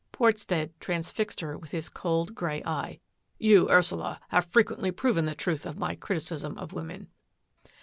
Portstead transfixed her with his cold grey eye. " You, Ursula, have frequently proven the truth of my criticism of women."